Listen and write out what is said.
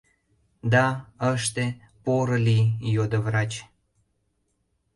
- Да, ыште, порылий, - йодо врач.